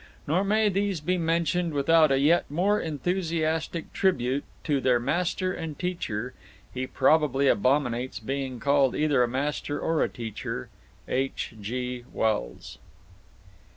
Nor may these be mentioned without a yet more enthusiastic tribute to their master and teacher (he probably abominates being called either a master or a teacher), H. G. Wells.